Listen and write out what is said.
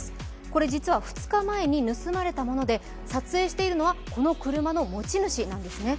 これ実は２日前に盗まれたもので撮影しているのは、この車の持ち主なんですね。